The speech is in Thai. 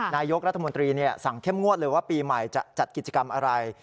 นายกรัฐมนตรีสั่งเข้มงวดเลยว่าปีใหม่จะจัดกิจกรรมอะไร